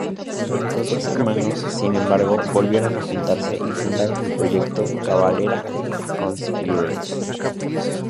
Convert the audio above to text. Los dos hermanos, sin embargo, volvieron a juntarse y fundaron el proyecto Cavalera Conspiracy.